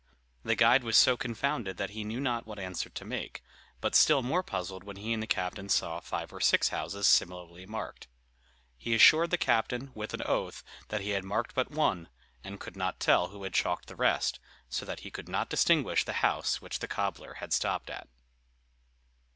The guide was so confounded that he knew not what answer to make, but still more puzzled when he and the captain saw five or six houses similarly marked. He assured the captain, with an oath, that he had marked but one, and could not tell who had chalked the rest, so that he could not distinguish the house which the cobbler had stopped at.